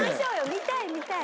見たい見たい。